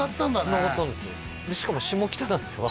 つながったんですよでしかも下北なんですよ